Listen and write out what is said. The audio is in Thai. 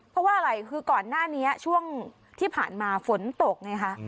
เพราะว่าอะไรคือก่อนหน้านี้ช่วงที่ผ่านมาฝนตกไงคะ